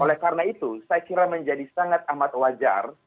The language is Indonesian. oleh karena itu saya kira menjadi sangat amat wajar